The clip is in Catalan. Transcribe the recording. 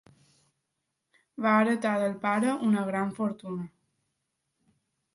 Va heretar del pare una gran fortuna.